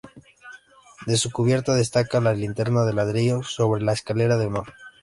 De su cubierta destaca la linterna de ladrillo sobre la escalera de honor.